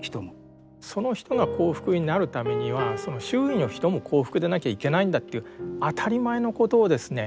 その人が幸福になるためには周囲の人も幸福でなきゃいけないんだという当たり前のことをですね。